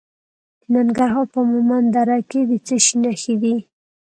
د ننګرهار په مومند دره کې د څه شي نښې دي؟